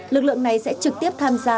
lực lượng này sẽ trực tiếp tham gia